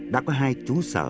đã có hai chú sở